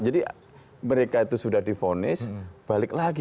jadi mereka itu sudah difonis balik lagi